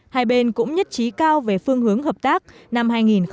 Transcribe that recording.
hai bên cũng nhất trí cao về phương hướng hợp tác năm hai nghìn một mươi chín